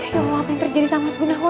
ya allah apa yang terjadi sama mas gunahuan